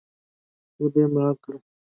زه به یې معاف کړم.